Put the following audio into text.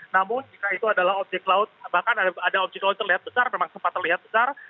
namun jika itu adalah objek laut bahkan ada objek laut terlihat besar memang sempat terlihat besar